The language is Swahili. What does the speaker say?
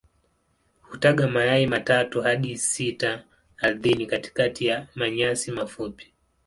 Hutaga mayai matatu hadi sita ardhini katikati ya manyasi mafupi.